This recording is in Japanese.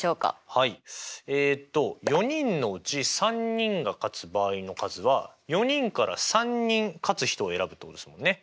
はいえっと４人のうち３人が勝つ場合の数は４人から３人勝つ人を選ぶってことですもんね。